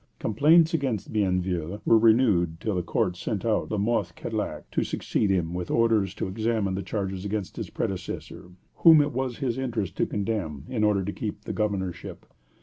Complaints against Bienville were renewed till the court sent out La Mothe Cadillac to succeed him, with orders to examine the charges against his predecessor, whom it was his interest to condemn, in order to keep the governorship.